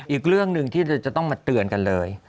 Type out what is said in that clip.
อีกเรื่องหนึ่งที่จะต้องมาเตือนกันเลย